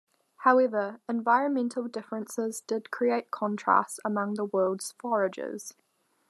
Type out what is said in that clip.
However, environmental differences did create contrasts among the world's foragers.